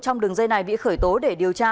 trong đường dây này bị khởi tố để điều tra